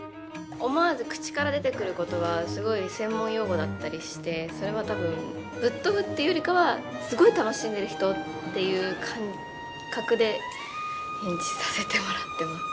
思わず口から出てくる言葉はすごい専門用語だったりしてそれは多分ぶっ飛ぶっていうよりかはすごい楽しんでる人っていう感覚で演じさせてもらってます。